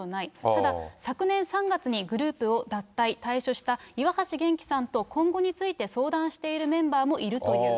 ただ、昨年３月にグループを脱退、退所した岩橋玄樹さんと、今後について相談しているメンバーもいるという。